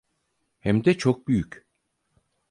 Hem de çok büyük.